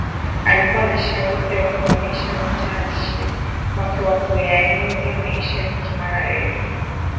Alikua na shauku ya kuonesha utashi wake wa kuyaenzi maisha ya kimagharibi